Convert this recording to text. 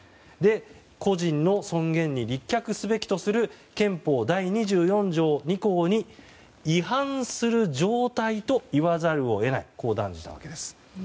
個人の尊厳に立脚すべきとする憲法第２４条２項に違反する状態と言わざるを得ないと断じたわけです。